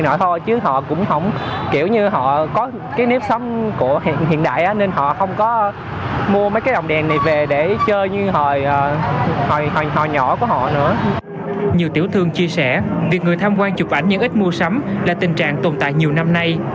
nhiều tiểu thương chia sẻ việc người tham quan chụp ảnh nhưng ít mua sắm là tình trạng tồn tại nhiều năm nay